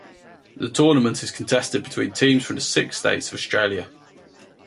The tournament is contested between teams from the six states of Australia.